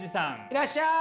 いらっしゃい！